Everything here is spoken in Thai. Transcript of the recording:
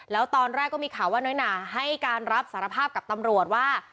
แล้วตอนแรกก็มีข่าวว่าน้อยหนาให้การรับสารภาพกับตำรวจว่า